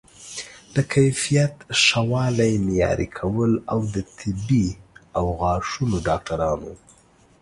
د کیفیت ښه والی معیاري کول او د طبي او غاښونو ډاکټرانو